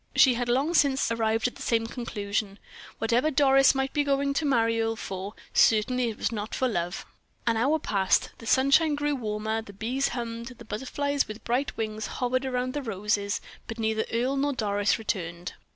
She had long since arrived at the same conclusion. Whatever Doris might be going to marry Earle for, it certainly was not for love. An hour passed. The sunshine grew warmer, the bees hummed, the butterflies with bright wings hovered round the roses; but neither Earle nor Doris returned.